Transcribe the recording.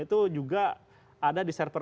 itu juga ada di server